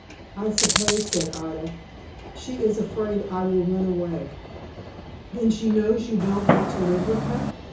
"I suppose," said Ida, "she is afraid I will run away." "Then she knows you don't want to live with her?"